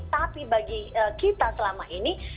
tapi bagi kita selama ini